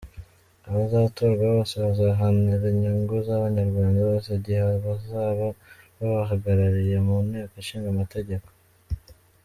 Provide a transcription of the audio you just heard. "Abazatorwa bose bazaharanira inyungu z’Abanyarwanda bose igihe bazaba babahagarariye mu nteko ishinga amategeko.